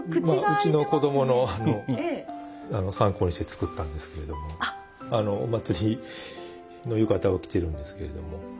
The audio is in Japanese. まあうちの子どもの参考にして作ったんですけれどもあの祭りの浴衣を着てるんですけれども。